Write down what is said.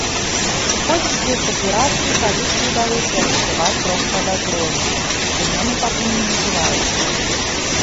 У ходзе спецаперацыі паліцыі ўдалося арыштаваць трох падазроных, іх імёны пакуль не называюцца.